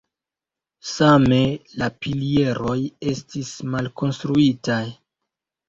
Same la pilieroj estis malkonstruitaj.